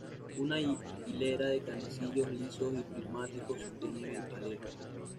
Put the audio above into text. Una hilera de canecillos lisos y prismáticos sostienen el alero.